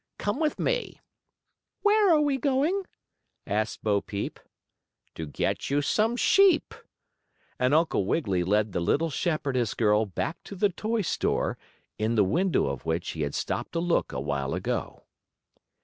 Come with me." "Where are you going?" asked Bo Peep. "To get you some sheep." And Uncle Wiggily led the little shepardess girl back to the toy store, in the window of which he had stopped to look a while ago.